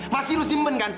masih lu simpen kan